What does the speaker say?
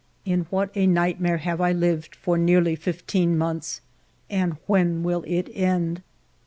In what a nightmare have I lived for nearly fifteen months, and when will it end